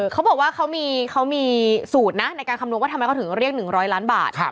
เขาบอกว่าเขามีสูตรนะในการคำนวณว่าทำไมเขาถึงเรียก๑๐๐ล้านบาท